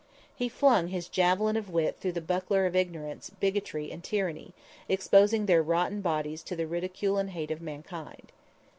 He flung his javelin of wit through the buckler of ignorance, bigotry and tyranny, exposing their rotten bodies to the ridicule and hate of mankind.